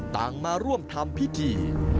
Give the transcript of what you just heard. ต่างมาร่วมทำพิธีฝังศพ